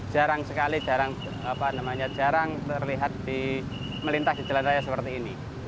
jarang sekali jarang jarang terlihat melintas di jalan raya seperti ini